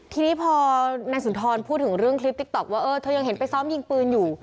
ทีนี้พอนายสุนทรพูดถึงเรื่องคลิปติ๊กต๊อกว่าเออเธอยังเห็นไปซ้อมยิงปืนอยู่